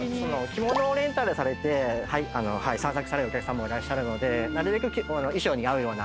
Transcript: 着物をレンタルされて散策されるお客さまもいらっしゃるのでなるべく衣装に合うような。